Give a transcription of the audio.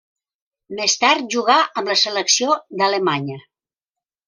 Més tard jugà amb la selecció d'Alemanya.